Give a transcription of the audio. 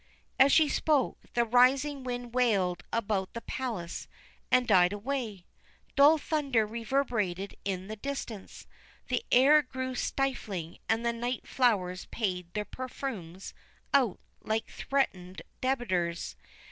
As she spoke the rising wind wailed about the palace and died away ; dull thunder reverberated in the distance. The air grew stifling, and the night flowers paid their perfumes out like threatened debtors.